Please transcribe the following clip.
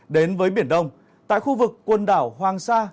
đến với biển đông tại khu vực quần đảo hoàng sa